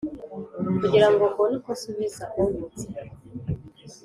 kugira ngo mbone uko nsubiza untutse